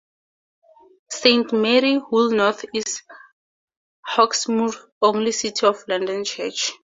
Saint Mary Woolnoth is Hawksmoor's only City of London church.